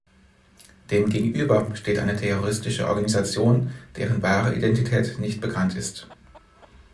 Demgegenüber steht eine terroristische Organisation, deren wahre Identität nicht bekannt ist.